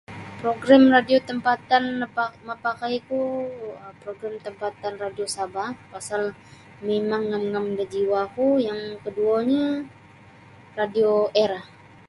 Program radio tampatan napa-mapakai ku um program radio Sabah pasal mimang ngam-ngam da jiwa ku yang kaduonyo radio Era.